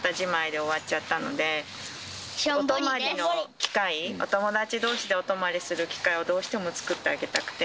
お泊まりの機会、お友達どうしでお泊りする機会をどうしても作ってあげたくて。